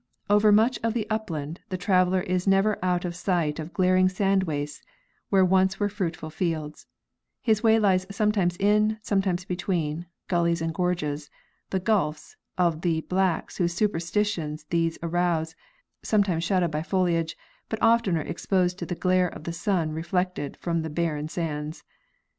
Over much of the upland the traveler is never out of sight of glaring sand wastes where once were fruitful fields; his way lies sometimes in, sometimes between, gullies and gorges, the "'gulfs" of the blacks whose superstitions they arouse, sometimes shadowed by foliage, but oftener exposed to the glare of the sun reflected from barren sands.